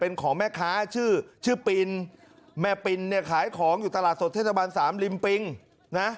เป็นของแม่ค้าชื่อชื่อปินแม่ปินเนี่ยขายของอยู่ตลาดสดเทศบาลสามริมปิงนะ